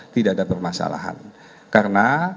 tidak ada permasalahan karena